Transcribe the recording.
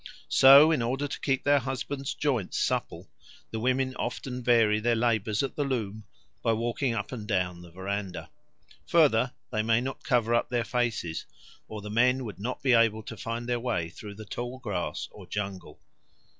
So in order to keep their husbands' joints supple the women often vary their labours at the loom by walking up and down the verandah. Further, they may not cover up their faces, or the men would not to be able to find their way through the tall grass or jungle.